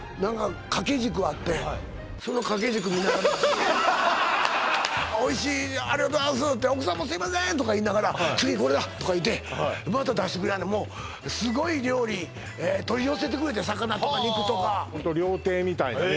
ずーっともうおいしいありがとうございますって奥さんもすいませんとかいいながら次これだとかいうてまた出してくれはんねんもうすごい料理取り寄せてくれて魚とか肉とかホント料亭みたいなね